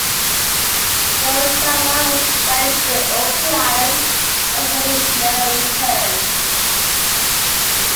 Go-Toba was banished to the Oki Islands, from where he never returned.